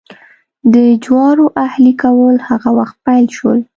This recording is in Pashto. د جوارو اهلي کول هغه وخت پیل شول.